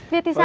việt thì sao